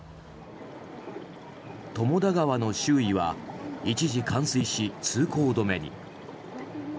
友田川の周囲は一時、冠水し通行止めに。